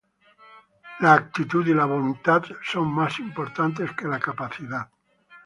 La actitud y la voluntad son más importantes que la capacidad